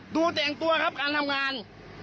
ตัวแต่งตัวครับการทำงาน